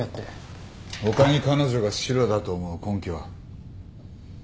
他に彼女がシロだと思う根拠は？